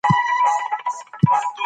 تل په راتلونکي هیله مند اوسئ.